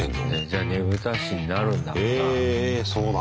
じゃあねぶた師になるんだろうな。